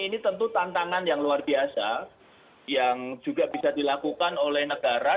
ini tentu tantangan yang luar biasa yang juga bisa dilakukan oleh negara